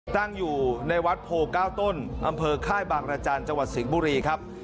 ตั้งอยู่ในวัดโพ๙ต้นอำเภอค่ายบางรจันทร์จังหวัดสิงห์บุรีครับ